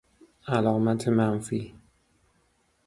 علامت منفی